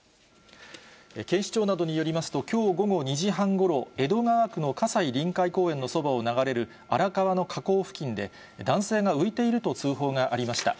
警視庁などによりますと、きょう午後２時半ごろ、江戸川区の葛西臨海公園のそばを流れる荒川の河口付近で、男性が浮いていると通報がありました。